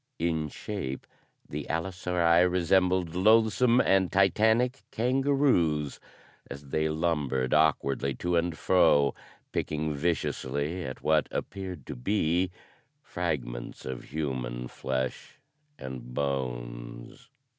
In shape the allosauri resembled loathsome and titanic kangaroos as they lumbered awkwardly to and fro, picking viciously at what appeared to be fragments of human flesh and bones.